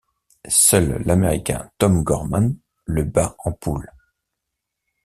Seul l'américain Tom Gorman le bat en poule.